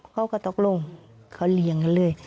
เขาก็ตกลงเขาเลี้ยงกันเลย